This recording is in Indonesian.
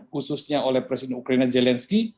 khususnya oleh presiden ukraina zelensky